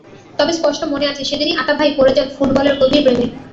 তবে স্পষ্ট মনে আছে, সেদিনই আতা ভাই পড়ে যান ফুটবলের গভীর প্রেমে।